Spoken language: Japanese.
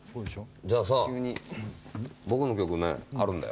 じゃあさ僕の曲ねあるんだよ。